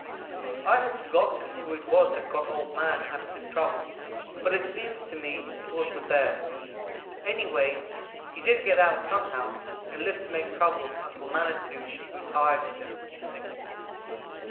"I have forgotten who it was that got Old man out of his trouble, but it seems to me it was the bear. Anyhow he did get out some how, and lived to make trouble, until Manitou grew tired of him.